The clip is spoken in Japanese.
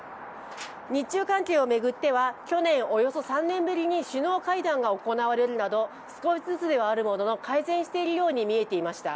日中関係を巡っては、去年およそ３年ぶりに首脳会談が行われるなど少しずつではありますが改善しているように見えていました。